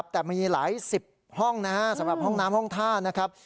แต่มีหลายสิบห้องนะฮะสำหรับห้องน้ำห้องท่านะครับ